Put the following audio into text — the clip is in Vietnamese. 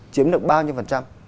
chiếm được bao nhiêu phần trăm